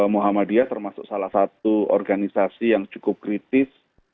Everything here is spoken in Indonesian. muhammadiyah termasuk salah satu organisasi yang cukup kritis